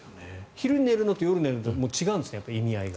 昼寝るのと夜寝るのとでは違うんですね、意味合いが。